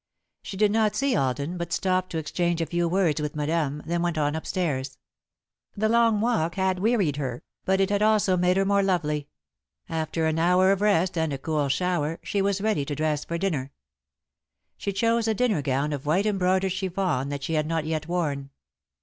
She did not see Alden, but stopped to exchange a few words with Madame, then went on up stairs. The long walk had wearied her, but it had also made her more lovely. After an hour of rest and a cool shower, she was ready to dress for dinner. She chose a dinner gown of white embroidered chiffon that she had not yet worn.